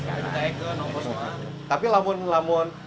jadi kita harus menjaga bencinya